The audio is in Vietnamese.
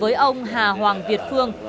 và làm việc với ông hà hoàng việt phương